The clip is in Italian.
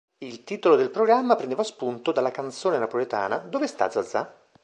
Il titolo del programma prendeva spunto dalla canzone napoletana "Dove sta Zazà?